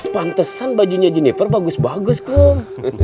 pantesan bajunya juniper bagus bagus kum